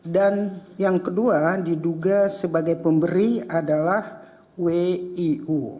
dan yang kedua diduga sebagai pemberi adalah wiu